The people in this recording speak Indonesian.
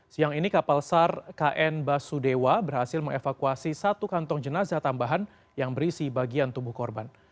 siang ini kapal sar kn basudewa berhasil mengevakuasi satu kantong jenazah tambahan yang berisi bagian tubuh korban